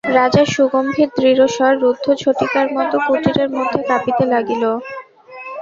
রাজার সুগম্ভীর দৃঢ়স্বর রুদ্ধ ঝটিকার মতো কুটিরের মধ্যে কাঁপিতে লাগিল।